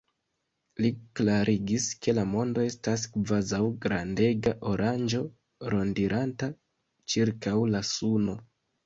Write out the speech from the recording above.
Li klarigis, ke la mondo estas kvazaŭ grandega oranĝo, rondiranta ĉirkaŭ la suno.